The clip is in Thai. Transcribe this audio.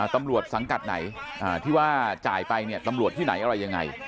ตำรวจสังกัดไหนที่ว่าจ่ายไปเนี่ยตำรวจที่ไหนอะไรยังไง